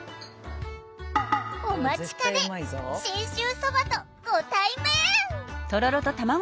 お待ちかね信州そばとご対面！